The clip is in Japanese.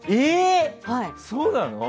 そうなの？